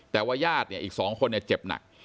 แต่ว่าญาติเนี่ยอีก๒คนเจ็บเนี่ยเจ็บหนัก